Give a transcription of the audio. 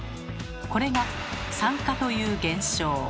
これが「酸化」という現象。